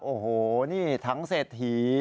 โอ้โหนี่ทั้งเศรษฐี